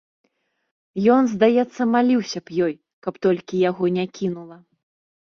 Ён, здаецца, маліўся б ёй, каб толькі яго не кінула.